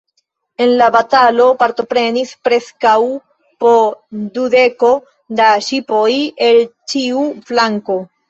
En la batalo partoprenis preskaŭ po dudeko da ŝipoj el ĉiu flanko.